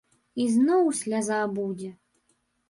І зноў сляза будзе.